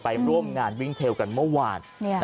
ร่วมงานวิ่งเทลกันเมื่อวาน